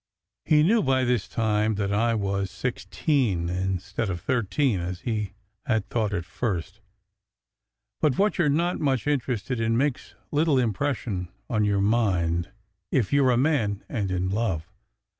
He knew by this time that I was sixteen, instead of thir teen as he had thought at first; but what you re not much interested in makes little impression on your mind if you re a man and in love.